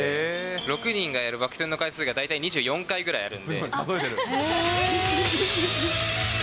６人がやるバック転の回数が大体２４回ぐらいあるんで。